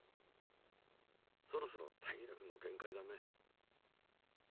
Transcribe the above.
そろそろ体力の限界だね。